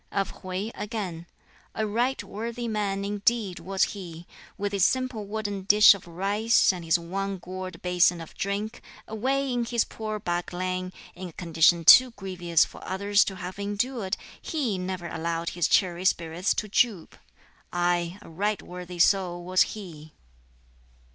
Of Hwķi, again: "A right worthy man indeed was he! With his simple wooden dish of rice, and his one gourd basin of drink, away in his poor back lane, in a condition too grievous for others to have endured, he never allowed his cheery spirits to droop. Aye, a right worthy soul was he!"